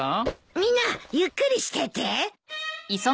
みんなゆっくりしてて。